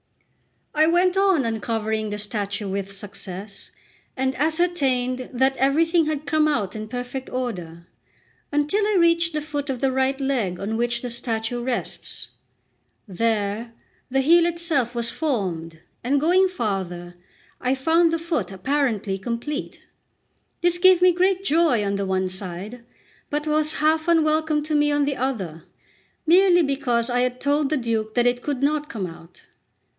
I went on uncovering the statue with success, and ascertained that everything had come out in perfect order, until I reached the foot of the right leg on which the statue rests. There the heel itself was formed, and going farther, I found the foot apparently complete. This gave me great joy on the one side, but was half unwelcome to me on the other, merely because I had told the Duke that it could not come out.